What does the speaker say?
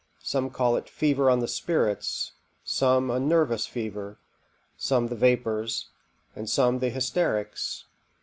Some call it fever on the spirits, some a nervous fever, some the vapours, and some the hysterics.